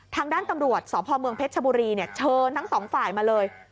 ทางด้านตำรวจสพเผชชบุรีเชิญทั้ง๒ฝ่ายมาเลย